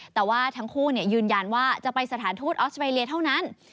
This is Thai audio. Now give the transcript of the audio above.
แต่ว่าทั้งคู่ยืนยันว่าจะไปสถานทูตออสเตรเลียเท่านั้น